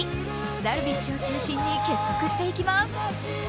ダルビッシュを中心に結束していきます。